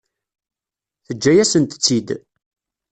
Teǧǧa-yasent-tt-id.